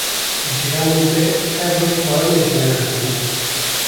Cîranên me her roj xwarinê ji me re tînin.